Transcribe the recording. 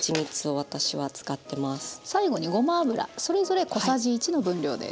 最後にごま油それぞれ小さじ１の分量です。